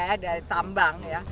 iya dari tambang